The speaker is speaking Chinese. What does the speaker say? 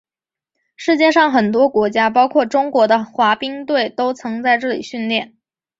世界上很多国家包括中国的滑冰队都曾在这里训练。